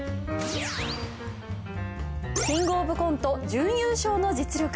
キングオブコント準優勝の実力。